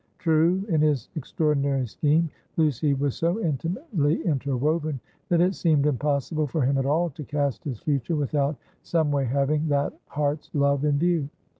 True, in his extraordinary scheme, Lucy was so intimately interwoven, that it seemed impossible for him at all to cast his future without some way having that heart's love in view.